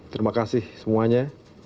terima kasih semuanya